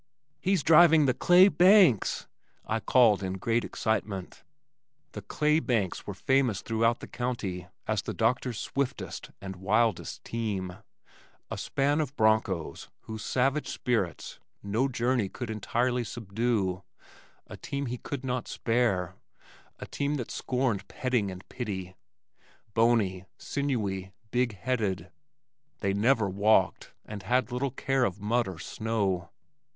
"He's driving the 'Clay Banks,'" I called in great excitement. The Clay Banks were famous throughout the county as the doctor's swiftest and wildest team, a span of bronchos whose savage spirits no journey could entirely subdue, a team he did not spare, a team that scorned petting and pity, bony, sinewy, big headed. They never walked and had little care of mud or snow.